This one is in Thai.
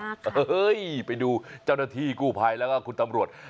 บ๊วยี้ดีมากฮืื้้อเฮ้ยไปดูเจ้านที่กลูภัยแล้วก็คุณตำรวช